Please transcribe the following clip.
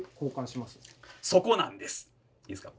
いいですか？